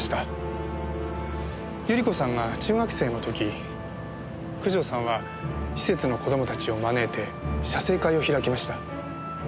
百合子さんが中学生の時九条さんは施設の子供たちを招いて写生会を開きました。